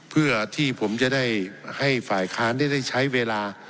เพื่อที่ผมจะได้ให้ฝ่ายค้านได้ใช้เวลา